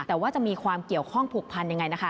แต่ว่าจะมีความเกี่ยวข้องผูกพันยังไงนะคะ